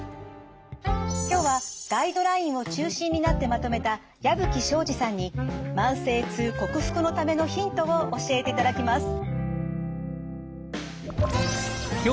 今日はガイドラインを中心になってまとめた矢吹省司さんに慢性痛克服のためのヒントを教えていただきます。